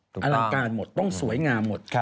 แบบอารางกาศหมดต้องสวยงามหมด